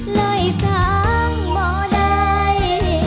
เลยสังบ่ได้